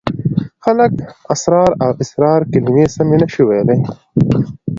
خلک اسرار او اصرار کلمې سمې نشي ویلای.